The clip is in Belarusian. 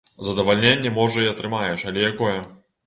Задавальненне можа і атрымаеш, але якое?